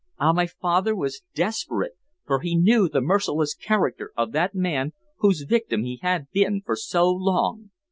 Ah! my father was desperate, for he knew the merciless character of that man whose victim he had been for so long.